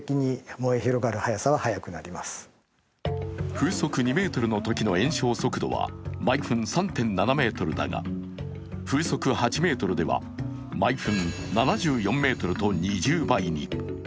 風速２メートルのときの延焼速度は毎分３．７メートルだが風速８メートルでは毎分７４メートルと２０倍に。